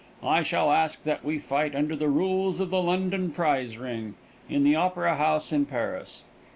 I should ask that we fight under the rules of the London prize ring, in the Opera House in Paris.